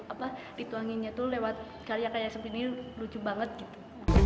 apa dituanginnya tuh lewat karya karya seperti ini lucu banget gitu